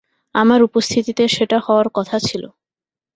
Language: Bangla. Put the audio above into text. আমার উপস্থিতিতে সেটা হওয়ার কথা ছিল।